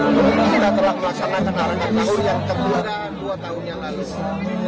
kita telah melaksanakan arakansahur yang terjualan dua tahun yang lalu